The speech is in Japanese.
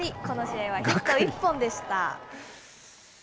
この試合はヒット１本でした。